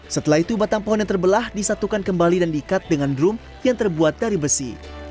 setelah itu batang pohon yang terbelah disatukan kembali dan diikat dengan drum yang terbuat dari besi